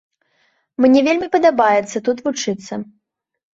Мне вельмі падабаецца тут вучыцца.